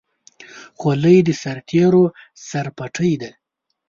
خولۍ د سرتېرو سرپټۍ ده.